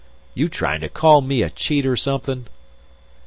"You tryin' to call me a cheat or something?"